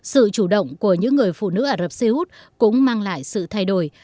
sự chủ động của những người phụ nữ ả rập xê út cũng mang lại sự thay đổi